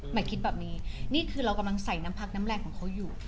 หมายคิดแบบนี้นี่คือเรากำลังใส่น้ำพักน้ำแรงของเขาอยู่